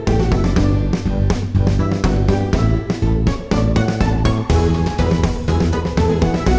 oh saya tadi ngasih meja